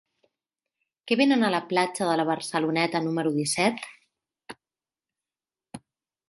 Què venen a la platja de la Barceloneta número disset?